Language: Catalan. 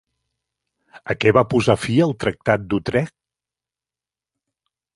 A què va posar fi el Tractat d'Utrecht?